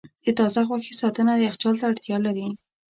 د تازه غوښې ساتنه یخچال ته اړتیا لري.